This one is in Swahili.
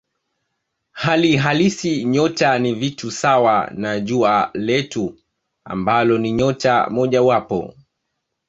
Hali halisi nyota ni vitu sawa na Jua letu ambalo ni nyota mojawapo.